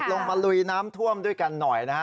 ลงมาลุยน้ำท่วมด้วยกันหน่อยนะฮะ